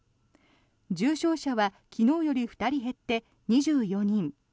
重症者は昨日より２人減って２４人。